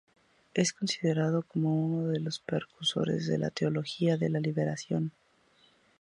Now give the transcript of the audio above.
Es considerado como uno de los precursores de la Teología de la Liberación.